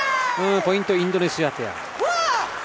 ポイント、インドネシアペア。